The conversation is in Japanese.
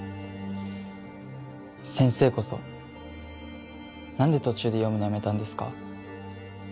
先生こそ何で途中で読むのやめたんですか？